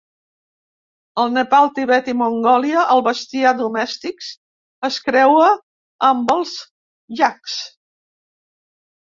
Al Nepal, Tibet i Mongòlia, el bestiar domèstics es creua amb els iacs.